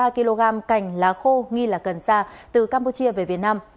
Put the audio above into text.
một mươi ba kg cành lá khô nghi là cần xa từ campuchia về việt nam